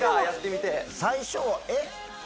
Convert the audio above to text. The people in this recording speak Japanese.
やってみて最初え？